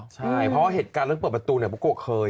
ใช่เพราะว่าเหตุการณ์เรื่องเปิดประตูเนี่ยบุโกะเคย